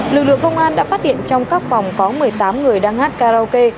lực lượng công an đã phát hiện trong các phòng có một mươi tám người đang hát karaoke